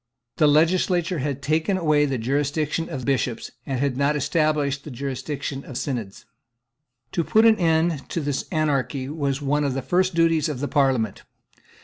The legislature had taken away the jurisdiction of Bishops, and had not established the jurisdiction of Synods, To put an end to this anarchy was one of the first duties of the Parliament.